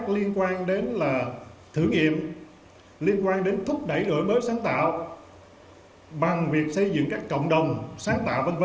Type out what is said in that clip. liên quan đến thúc đẩy đổi mới sáng tạo bằng việc xây dựng các cộng đồng sáng tạo v v